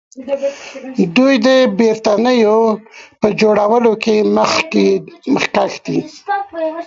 دوی د بیټریو په جوړولو کې مخکښ دي.